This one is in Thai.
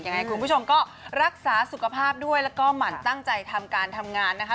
ยังไงคุณผู้ชมก็รักษาสุขภาพด้วยแล้วก็หมั่นตั้งใจทำการทำงานนะคะ